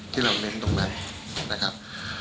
เราเน้นตรงนั้นนะครับ